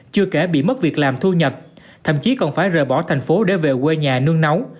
chưa kể bị mất việc làm thu nhập thậm chí còn phải rời bỏ thành phố để về quê nhà nương nấu